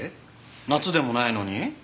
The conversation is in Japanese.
夏でもないのに？